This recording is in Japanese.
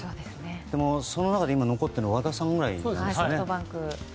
でも、その中で今残っているのは和田さんくらいですよね。